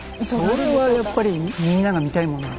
それはやっぱりみんなが見たいもの。